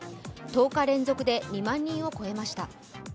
１０日連続で２万人を超えました。